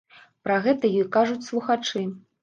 Пра гэта ёй кажуць слухачы.